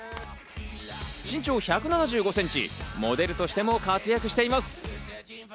身長１７５センチ、モデルとしても活躍しています。